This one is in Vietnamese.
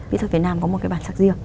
mỹ thuật việt nam có một cái bản sắc riêng